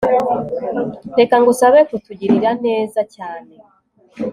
Reka ngusabe kutugirira neza cyane